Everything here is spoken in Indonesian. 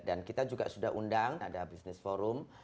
dan kita juga sudah undang ada business forum